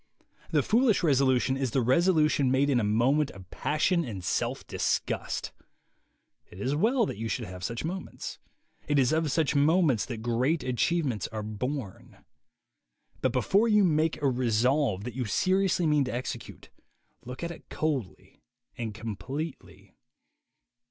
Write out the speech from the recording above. The foolish resolution is the resolution made in a moment of passion and self disgust. It is well that you should have such moments. It is of such moments that great achievements are born. But before you make a resolve that you seriously mean to execute, look at it coldly and completely.